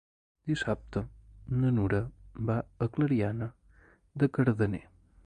Dissabte na Nura va a Clariana de Cardener.